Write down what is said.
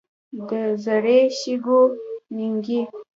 د زري شګو نینکې.